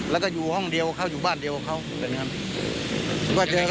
แล้วก็อยู่ห้องเดียวกว่าเขาอยู่บ้านเดียวกว่าเขาเป็นกัน